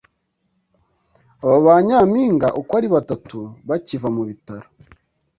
Aba ba Nyampinga uko ari batatu bakiva mu bitaro